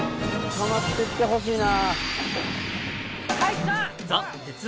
たまっててほしいな。